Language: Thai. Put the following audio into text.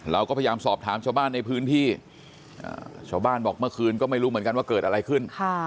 เราก็พยายามสอบถามชาวบ้านในพื้นที่ชาวบ้านบอกเมื่อคืนก็ไม่รู้เหมือนกันว่าเกิดอะไรขึ้น